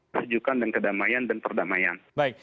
kejukan dan kedamaian dan perdamaian